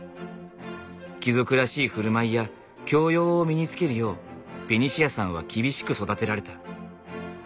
貴族らしい振る舞いや教養を身につけるようベニシアさんは厳しく育てられた。